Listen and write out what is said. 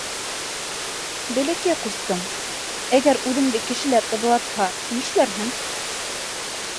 — Бәләкәй ҡустым, әгәр үҙеңде кешеләр ыҙалатһа, нишләрһең?